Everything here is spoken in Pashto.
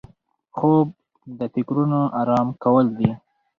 خوب د فکرونو آرام کول دي